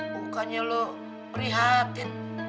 bukannya lu prihatin